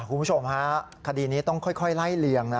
คุณผู้ชมฮะคดีนี้ต้องค่อยไล่เลี่ยงนะ